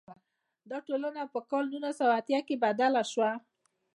دا ټولنه په کال نولس سوه اتیا کې بدله شوه.